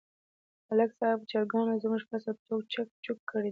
د ملک صاحب چرگانو زموږ فصل ټول چک چوک کړی دی.